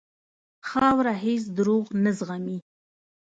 خاوره هېڅ دروغ نه زغمي.